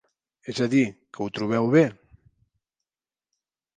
-Es a dir que ho trobeu bé?